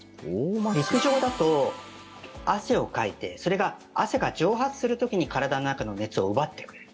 陸上だと汗をかいてそれが、汗が蒸発する時に体の中の熱を奪ってくれる。